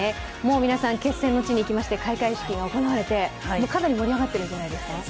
皆さん、決戦の地に行きまして開会式が行われて、かなり盛り上がってるんじゃないですか？